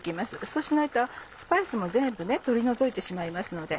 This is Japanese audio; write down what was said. そうしないとスパイスも全部取り除いてしまいますので。